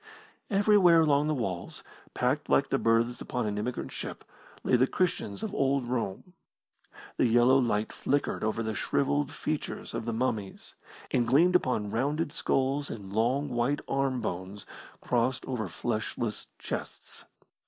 Everywhere along the walls, packed like the berths upon an emigrant ship, lay the Christians of old Rome. The yellow light flickered over the shrivelled features of the mummies, and gleamed upon rounded skulls and long, white arm bones crossed over fleshless chests.